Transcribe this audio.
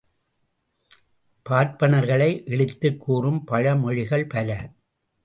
பார்ப்பனர்களை இழித்துக் கூறும் பழமொழிகள் பல.